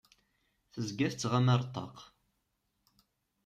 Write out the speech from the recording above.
Tezga tettɣama ar ṭṭaq.